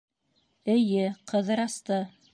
— Эйе, Ҡыҙырасты.